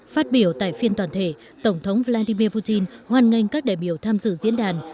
phát biểu tại phiên toàn thể tổng thống vladimir putin hoan nghênh các đại biểu tham dự diễn đàn